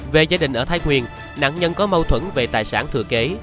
về gia đình ở thái nguyên nạn nhân có mâu thuẫn về tài sản thừa kế